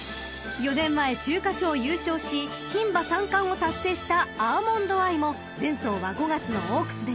［４年前秋華賞を優勝し牝馬三冠を達成したアーモンドアイも前走は５月のオークスでした］